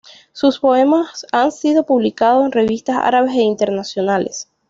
Sus poemas han sido publicados en revistas árabes e internacionales.